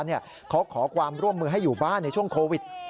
เขาขอความร่วมมือให้อยู่บ้านในช่วงโควิด